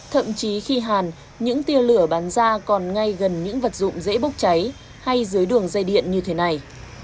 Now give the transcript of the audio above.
thậm chí khi hàn những tiên lửa bán ra còn ngay gần những vật dụng dễ bốc cháy hay dưới đường dây điện như thế này